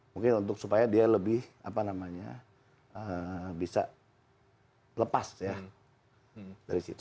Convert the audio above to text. mungkin untuk supaya dia lebih apa namanya bisa lepas ya dari situ